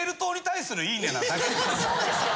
そうですよ！